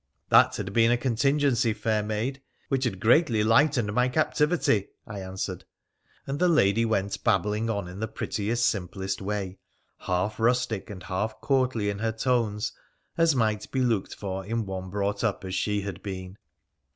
' That had been a contingency, fair maid, which had greatly PHRA THE PI1CEN1C1AN 293 lightened my captivity,' I answered; and the lady went babbling on in the prettiest, simplest way, half rustic and half courtly in her tones, as might be looked for in one brought up as she had been.